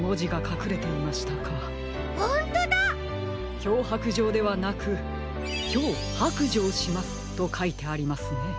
「きょうはくじょう」ではなく「きょうはくじょうします」とかいてありますね。